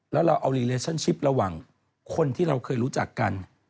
แล้วเราเอารีเลชั่นชิประหว่างคนที่เราเคยรู้จักกัน